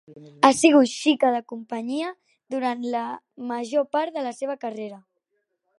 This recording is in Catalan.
Ha sigut xica de companyia durant la major part de la seva carrera.